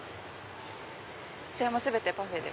こちらも全てパフェで。